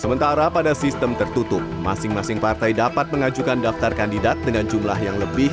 sementara pada sistem tertutup masing masing partai dapat mengajukan daftar kandidat dengan jumlah yang lebih